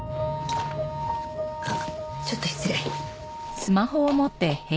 あっちょっと失礼。